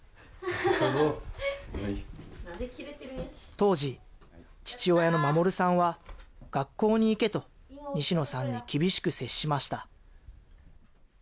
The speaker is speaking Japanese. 当時、父親の護さんは、学校に行けと、西野さんに厳しく接しました。